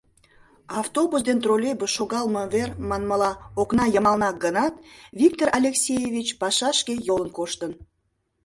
Автобус ден троллейбус шогалме вер, манмыла, окна йымалнак гынат, Виктор Алексеевич пашашке йолын коштын.